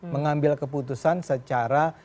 mengambil keputusan secara tegas